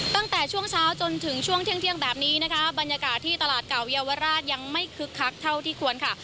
ตั้งแต่ช่วงเช้าจนถึงช่วงเที่ยงแบบนี้นะคะบรรยากาศที่ตลาดเก่าเยาวราชยังไม่คึกคักเท่าที่ควรค่ะ